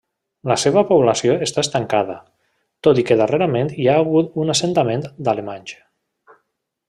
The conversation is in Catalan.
La seva població està estancada, tot i que darrerament hi ha hagut un assentament d'alemanys.